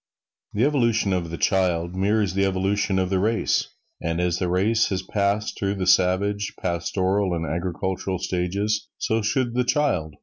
The evolution of the child mirrors the evolution of the race. And as the race has passed through the savage, pastoral and agricultural stages, so should the child.